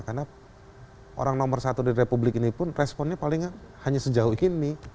karena orang nomor satu di republik ini pun responnya palingnya hanya sejauh ini